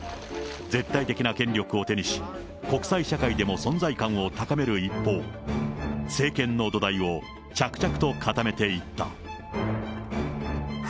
絶対的な権力を手にし、国際社会でも存在感を高める一方、政権の土台を着々と固めていった。